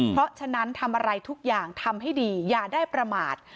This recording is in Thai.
เพราะฉะนั้นทำอะไรทุกอย่างทำให้ดีอย่าได้ประมาท